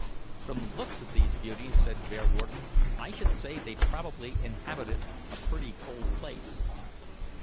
"From the looks of these beauties," said Bearwarden, "I should say they probably inhabited a pretty cold place."